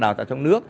đào tạo trong nước